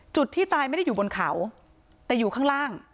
ที่ตายไม่ได้อยู่บนเขาแต่อยู่ข้างล่าง